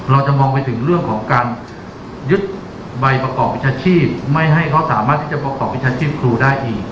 เราจะมองไปถึงเรื่องของการยึดใบประกอบวิชาชีพไม่ให้เขาสามารถที่จะประกอบวิชาชีพครูได้อีก